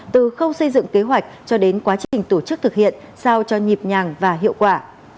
từ khâu xây dựng kế hoạch cho đến quá trình tổ chức thực hiện sao cho nhịp nhàng và hiệu quả